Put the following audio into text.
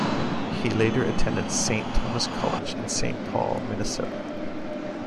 He later attended Saint Thomas College in Saint Paul, Minnesota.